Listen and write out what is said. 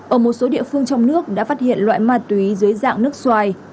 ở một số địa phương trong nước đã phát hiện loại ma túy dưới dạng nước xoài